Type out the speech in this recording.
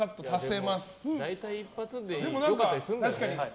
大体、一発で良かったりするんだよね。